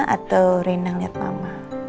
atau rena ngeliat mama